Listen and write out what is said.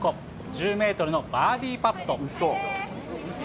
１０メートルのバーディーパット。